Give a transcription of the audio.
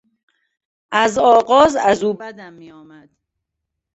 از آغاز از او بدم می آمد.